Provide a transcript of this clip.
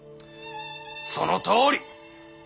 そのとおり。